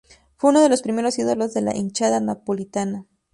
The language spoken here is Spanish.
Fue uno de los primeros ídolos de la hinchada napolitana.